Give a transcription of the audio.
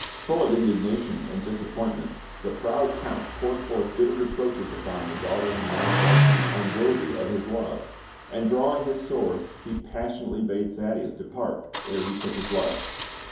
Full of indignation and disappointment, the proud Count poured forth bitter reproaches upon the daughter he now felt to be unworthy of his love; and drawing his sword, he passionately bade Thaddeus depart ere he took his life.